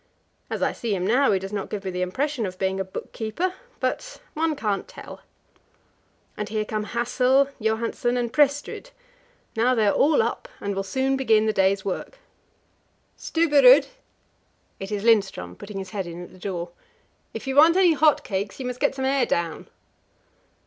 As I see him now, he does not give me the impression of being a book keeper but one can't tell. And here come Hassel, Johansen, and Prestrud; now they are all up, and will soon begin the day's work. "Stubberud!" It is Lindström putting his head in at the door. "If you want any hot cakes, you must get some air down."